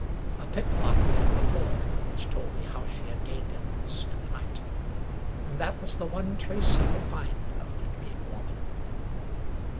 A picklock lay on the floor, which told me how she had gained entrance in the night. And that was the one trace I could find of the Dream Woman.